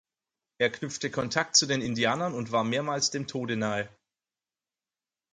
Er knüpfte Kontakt zu den Indianern und war mehrmals dem Tode nahe.